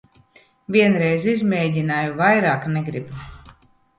Vienreiz izmēģināju, vairāk negribu.